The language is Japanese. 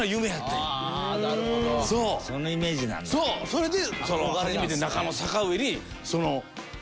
それで。